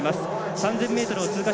３０００ｍを通過。